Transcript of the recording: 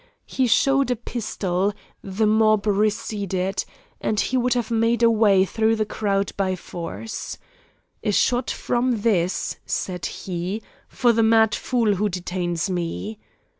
He showed a pistol, the mob receded, and he would have made a way through the crowd by force. "A shot from this," said he, "for the mad fool who detains me."